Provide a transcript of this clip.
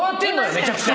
めちゃくちゃ！